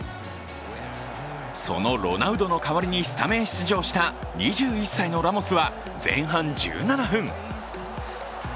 そのロナウドの代わりにスタメン出場した２１歳のラモスは前半１７分。